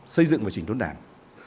xây dựng và chỉnh tốn đảng